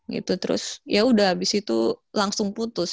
gitu terus yaudah abis itu langsung putus